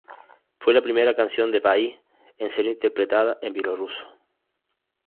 Fue la primera canción de país en ser interpretada en bielorruso.